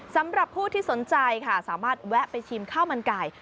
สำหรับผู้ที่สนใจค่ะสามารถแวะไปชิมข้าวมันไก่